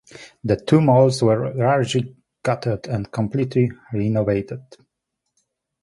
The two malls were largely gutted and completely renovated.